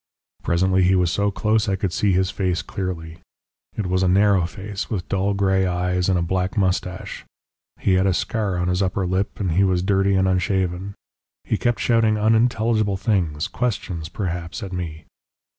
"Presently he was so close I could see his face clearly. It was a narrow face, with dull grey eyes, and a black moustache. He had a scar on his upper lip, and he was dirty and unshaven. He kept shouting unintelligible things, questions perhaps, at me.